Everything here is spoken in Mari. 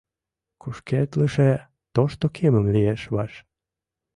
Кушкедлыше тошто Кемым лиеш ваш.